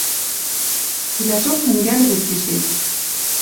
Цилӓжок тӹнгӓльӹ вет тӹшец.